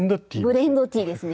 ブレンドティーですね。